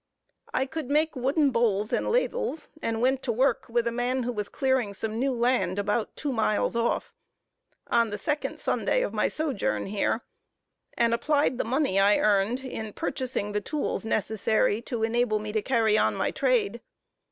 I could make wooden bowls and ladles, and went to work with a man who was clearing some new land about two miles off on the second Sunday of my sojourn here and applied the money I earned in purchasing the tools necessary to enable me to carry on my trade.